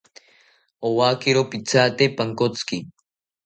Owakiro pithate pankotziki